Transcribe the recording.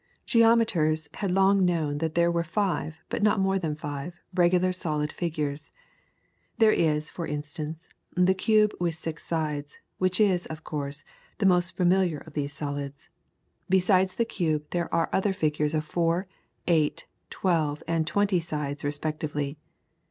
Geometers had long known that there were five, but no more than five, regular solid figures. There is, for instance, the cube with six sides, which is, of course, the most familiar of these solids. Besides the cube there are other figures of four, eight, twelve, and twenty sides respectively.